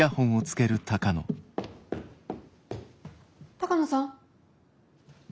鷹野さん。